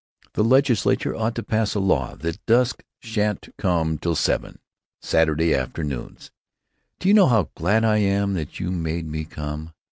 The legislature ought to pass a law that dusk sha'n't come till seven, Saturday afternoons. Do you know how glad I am that you made me come?...